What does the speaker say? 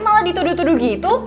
malah dituduh tuduh gitu